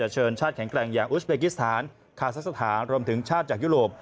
เชิญชาติแข็งแกร่งอย่างอุสเบกิสถานคาซักสถานรวมถึงชาติจากยุโรป